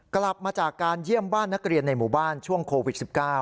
กลับมาจากการเยี่ยมบ้านนักเรียนในหมู่บ้านช่วงโควิด๑๙